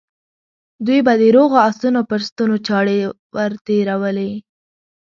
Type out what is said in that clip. دوی به د روغو آسونو پر ستونو چاړې ور تېرولې.